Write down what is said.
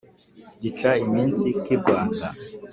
gica iminsi k’i rwanda